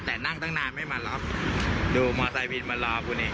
แต่นั่งตั้งนานไม่มาล็อกดูมอเตอร์ไซค์วินมาล็อกกูเนี้ย